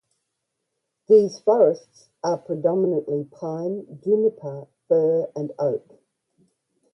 These forests are predominantly pine, juniper, fir, and oak.